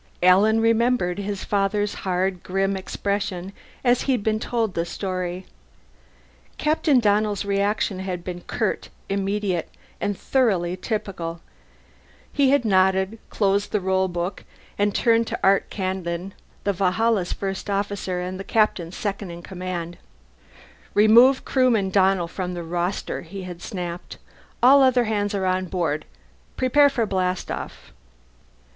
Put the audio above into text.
Alan remembered his father's hard, grim expression as he had been told the story. Captain Donnell's reaction had been curt, immediate, and thoroughly typical: he had nodded, closed the roll book, and turned to Art Kandin, the Valhalla's First Officer and the Captain's second in command. "Remove Crewman Donnell from the roster," he had snapped. "All other hands are on board. Prepare for blastoff."